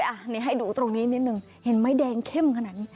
อันนี้ให้ดูตรงนี้นิดนึงเห็นไม้แดงเข้มขนาดนี้